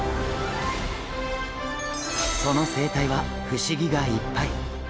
その生態は不思議がいっぱい。